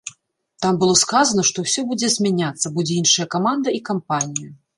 Там было сказана, што ўсё будзе змяняцца, будзе іншая каманда і кампанія.